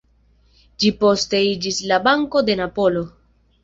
Ĝi poste iĝis la "Banko de Napolo".